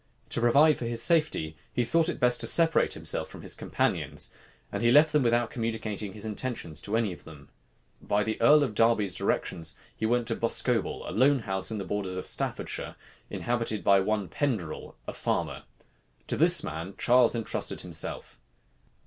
To provide for his safety, he thought it best to separate himself from his companions; and he left them without communicating his intentions to any of them. By the earl of Derby's directions, he went to Boscobel, a lone house in the borders of Staffordshire, inhabited by one Penderell, a farmer. To this man Charles intrusted himself.